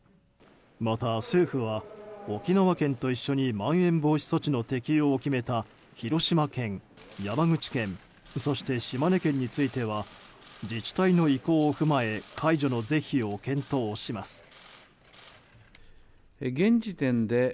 また、政府は沖縄県と一緒にまん延防止措置の適用を決めた広島県、山口県そして島根県については自治体の意向を踏まえ解除の是非を検討します。